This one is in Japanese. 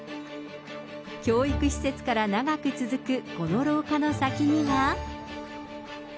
教育施設から長く続くこの廊下の先には。